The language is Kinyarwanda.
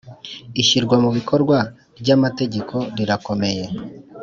Ishyirwamubikorwa ryamategeko rirakomeye.